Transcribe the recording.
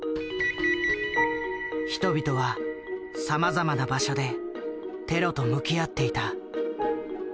人々はさまざまな場所でテロと向き合っていた。